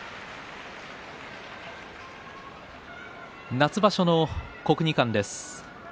夏場所の国技館です。